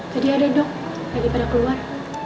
tadi ada dok tadi pada keluar